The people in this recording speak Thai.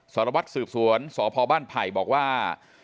สารวัตรสืบสวนสพบ้านไผ่บอกว่า